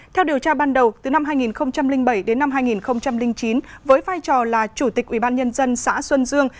theo điều tra ban đầu từ năm hai nghìn bảy đến năm hai nghìn chín với vai trò là chủ tịch ubnd xã xuân dương